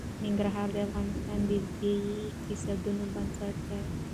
ننګرهار د افغانستان د ځایي اقتصادونو بنسټ دی.